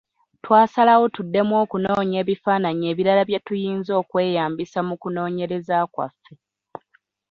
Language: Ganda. Twasalawo tuddemu okunoonya ebifaananyi ebirala bye tuyinza okweyambisa mu kunoonyereza kwaffe.